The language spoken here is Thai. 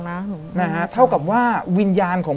แต่ขอให้เรียนจบปริญญาตรีก่อน